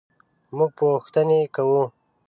مونږ پوښتنې کوو